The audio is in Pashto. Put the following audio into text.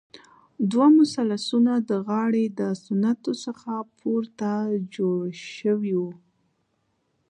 دوه مثلثونه د غاړې د ستنو څخه پورته جوړ شوي وو.